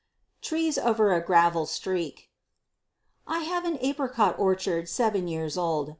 Trees Over a Gravel Streak. I have an apricot orchard seven years old.